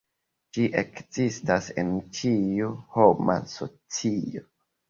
Ĝi ekzistas en ĉiu homa socio.